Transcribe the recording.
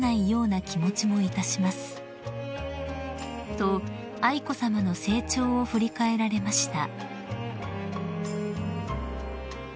［と愛子さまの成長を振り返られました］